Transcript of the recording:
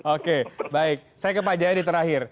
oke baik saya ke pak jayadi terakhir